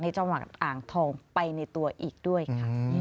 จังหวัดอ่างทองไปในตัวอีกด้วยค่ะ